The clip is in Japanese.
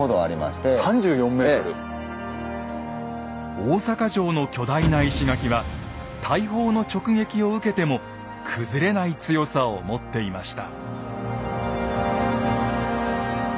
大坂城の巨大な石垣は大砲の直撃を受けても崩れない強さを持っていました。